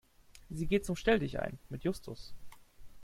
Sie geht zum Stelldichein mit Justus.